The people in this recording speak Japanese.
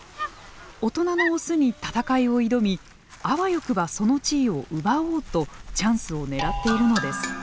大人のオスに戦いを挑みあわよくばその地位を奪おうとチャンスを狙っているのです。